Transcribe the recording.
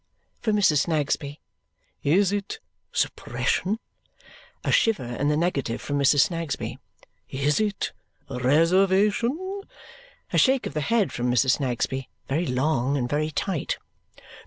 from Mrs. Snagsby. "Is it suppression?" A shiver in the negative from Mrs. Snagsby. "Is it reservation?" A shake of the head from Mrs. Snagsby very long and very tight.